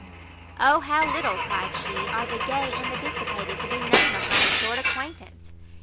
"Oh how little," cried she, "are the gay and the dissipated to be known upon a short acquaintance!